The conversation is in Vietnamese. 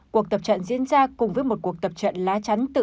cuộc tập trận diễn ra cùng với một cuộc tập trận lá trắng tự do